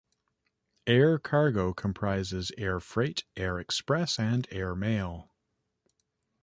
Air cargo comprises air freight, air express and airmail.